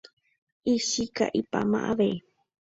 Ichika'ipáma avei.